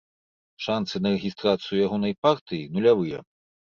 Шанцы на рэгістрацыю ягонай партыі нулявыя.